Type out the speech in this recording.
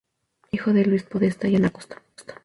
Era hijo de Luis Podestá y Ana Costa.